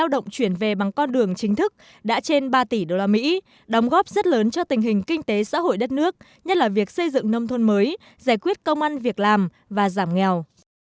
đó là một tỷ usd đồng góp rất lớn cho tình hình kinh tế xã hội đất nước nhất là việc xây dựng nông thôn mới giải quyết công ăn việc làm và giảm nghèo